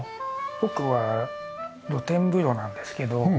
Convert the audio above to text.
奥は露天風呂なんですけど。